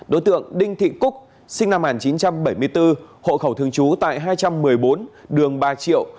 đối tượng đinh thị cúc sinh năm một nghìn chín trăm bảy mươi bốn hộ khẩu thường trú tại hai trăm một mươi bốn đường ba triệu